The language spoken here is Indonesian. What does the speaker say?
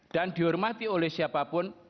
dan dihormati oleh siapa pun